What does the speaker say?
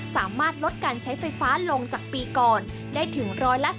สามารถลดการใช้ไฟฟ้าลงจากปีก่อนได้ถึง๑๔